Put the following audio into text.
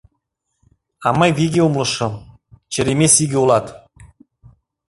— А мый виге умылышым: черемис иге улат.